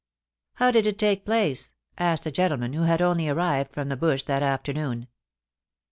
' How did it take place ?* asked a gentleman who had only arrived from the Bush that afternoon.